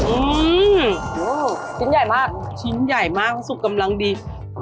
อืมชิ้นใหญ่มากชิ้นใหญ่มากสุกกำลังดี